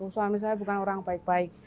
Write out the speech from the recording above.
suami saya bukan orang baik baik